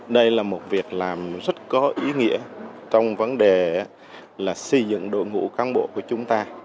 đây là một việc làm rất có ý nghĩa trong vấn đề xây dựng đội ngũ cán bộ của chúng ta